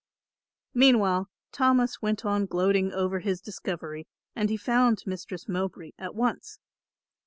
Meanwhile Thomas went on gloating over his discovery, and he found Mistress Mowbray at once.